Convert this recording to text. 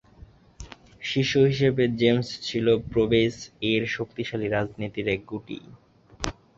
শিশু হিসেবে জেমস ছিল প্রোঁভেস-এর শক্তিশালী রাজনীতির এক গুটি।